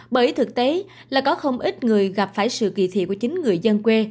bởi thực tế là có không ít người gặp phải sự kỳ thị của chính người dân quê